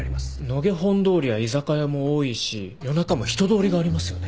野毛本通りは居酒屋も多いし夜中も人通りがありますよね？